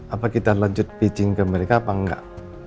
apa kita lanjut pitching ke mereka apa enggak